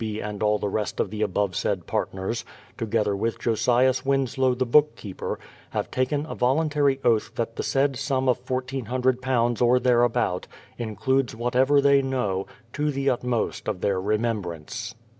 B. and all the rest of the abovesaid partners, together with Josias Winslow the bookkeeper, have taken a voluntary oath that the said sum of £1400 or thereabout, includes whatever they know, to the utmost of their remembrance.